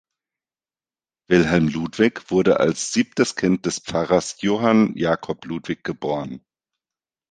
Wilhelm Ludwig wurde als siebtes Kind des Pfarrers Johann Jakob Ludwig geboren.